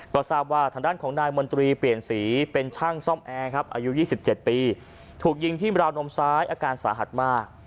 ก็ทราบว่าทางด้านของนายมนตรีเปลี่ยนสีเป็นช่างซ่อมแอร์ครับอายุ๒๗ปีถูกยิงที่ราวนมซ้ายอาการสาหัสมาก